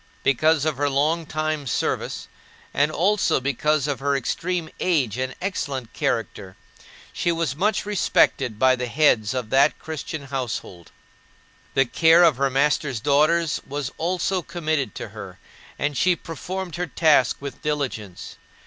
Because of her long time service and also because of her extreme age and excellent character, she was much respected by the heads of that Christian household. The care of her master's daughters was also committed to her, and she performed her task with diligence.